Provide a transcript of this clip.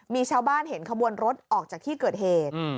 มีชาวบ้านเห็นขบวนรถออกจากที่เกิดเหตุ